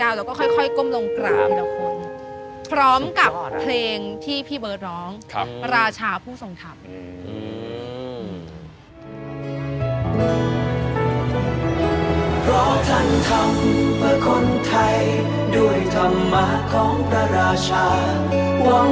แล้วก็ค่อยก้มลงกรามพร้อมกับเพลงที่พี่เบิร์ดร้องประราชาผู้ทรงธรรม